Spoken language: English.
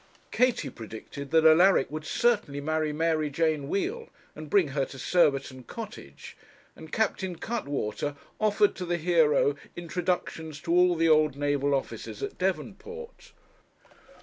Katie predicted that Alaric would certainly marry Mary Jane Wheal, and bring her to Surbiton Cottage, and Captain Cuttwater offered to the hero introductions to all the old naval officers at Devonport.